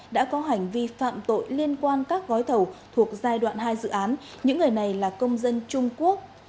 đã có hành vi phạm tội liên quan các gói thầu thuộc giai đoạn hai dự án những người này là công dân trung quốc